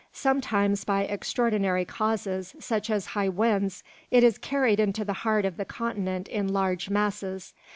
Sometimes by extraordinary causes, such as high winds, it is carried into the heart of the continent in large masses.